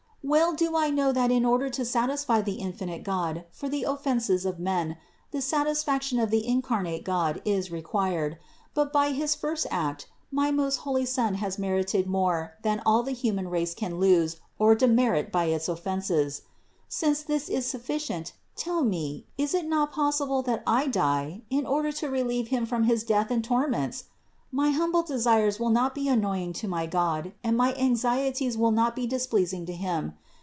Well do I know that in order to satisfy the infinite God for the offenses of men, the satisfaction of the incarnate God is required; but by his first act my most holy Son has merited more than all the human race can lose or demerit by its of fenses. Since this is sufficient, tell me, is it not possible that I die in order to relieve Him from his death and torments? My humble desires will not be annoying to my God, and my anxieties will not be displeasing to Him.